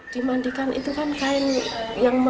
dimandikan itu kan kain yang